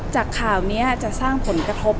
จากข่าวนี้จะสร้างผลกระทบ